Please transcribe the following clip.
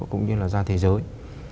cũng như là ra thế giới